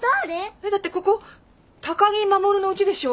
えっだってここ高木護のうちでしょ？